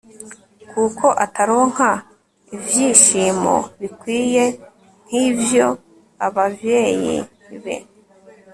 kuko ataronka ivyishimo bikwiye nkivyo abavyeyi be